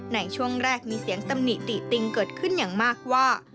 ในช่วงแรกมีเสียงตำหนิติติงเกิดขึ้นอย่างมากว่า